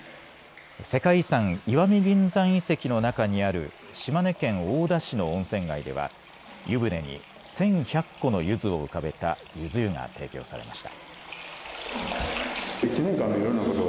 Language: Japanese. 世界遺産、石見銀山遺跡の中にある島根県大田市の温泉街では、湯船に１１００個のゆずを浮かべたゆず湯が提供されました。